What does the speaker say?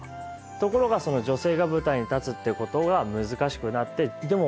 ところが女性が舞台に立つっていうことが難しくなって。